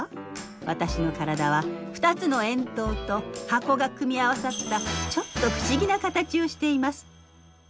私の体は２つの円塔と箱が組み合わさったちょっと不思議な形をしています。